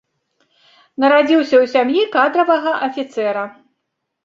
Нарадзіўся ў сям'і кадравага афіцэра.